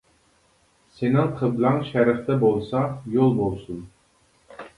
سېنىڭ قىبلەڭ شەرقتە بولسا يول بولسۇن.